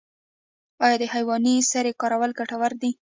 آیا د حیواني سرې کارول ګټور دي؟